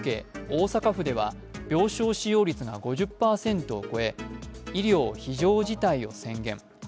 大阪府では病床使用率が５０％を超え医療非常事態を宣言。